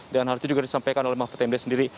dan hal itu juga disampaikan oleh mahfud md sendiri